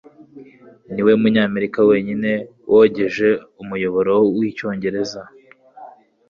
Niwe munyamerika wenyine wogeje Umuyoboro wicyongereza